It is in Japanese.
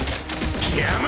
邪魔！